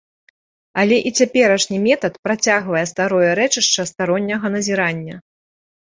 Але і цяперашні метад працягвае старое рэчышча старонняга назірання.